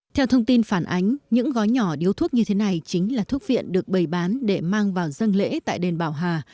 theo thông tin phản ánh những gói nhỏ điếu thuốc như thế này chính là thuốc viện được bày bán để mang vào dân lễ tại đền bảo hà